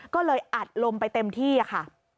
ก็เลยอัดลมไปเต็มที่ค่ะ